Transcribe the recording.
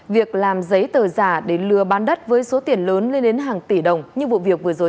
việc làm giấy tờ giả để lừa bán đất với số tiền lớn lên đến hàng tỷ đồng như vụ việc vừa rồi